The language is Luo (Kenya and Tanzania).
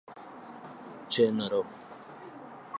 Chenro: